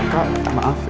maaf ini ada bunga